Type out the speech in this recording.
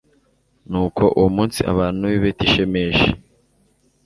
nuko uwo munsi, abantu b'i betishemeshi